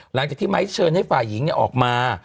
หลังจากที่ไมค์เชิญให้ฝ่ายหญิงออกมา